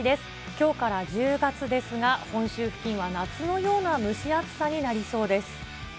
きょうから１０月ですが、本州付近は夏のような蒸し暑さになりそうです。